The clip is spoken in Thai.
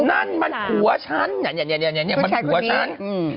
นั่นมันผัวฉันเนี่ยมันผัวฉันอืม